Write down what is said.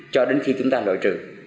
cho đến khi chúng ta lội trừ